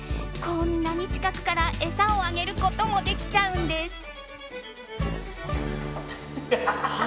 こんなに近くから餌をあげることもできちゃうんです。